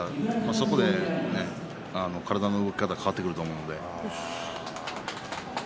それで体の動き方が変わってくると思うので。